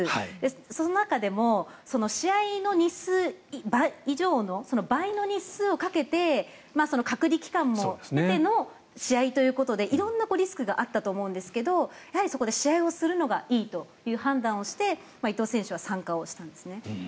その中でも試合の日数以上の倍の日数をかけて隔離期間も経ての試合ということで色んなリスクがあったと思うんですけどやはりそこで試合をするのがいいという判断をして伊藤選手は参加をしたんですね。